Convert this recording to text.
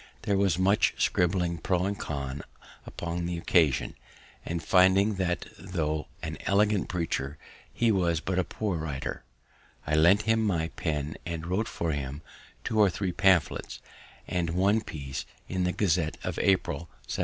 There was much scribbling pro and con upon the occasion; and finding that, tho' an elegant preacher, he was but a poor writer, I lent him my pen and wrote for him two or three pamphlets, and one piece in the Gazette of April, 1735.